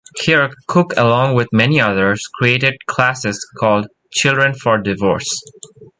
Here, Cook along with many others, created classes called "Children for Divorce".